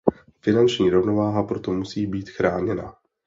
Finanční rovnováha proto musí být chráněna.